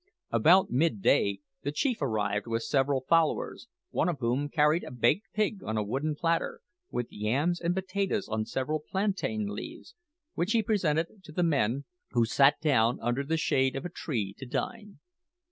About midday the chief arrived with several followers, one of whom carried a baked pig on a wooden platter, with yams and potatoes on several plantain leaves, which he presented to the men, who sat down under the shade of a tree to dine.